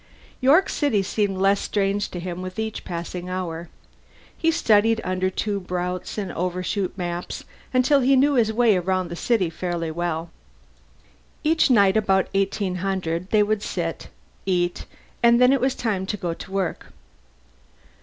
York City seemed less strange to him with each passing hour; he studied Undertube routes and Overshoot maps until he knew his way around the city fairly well. Each night about 1800 they would eat, and then it was time to go to work.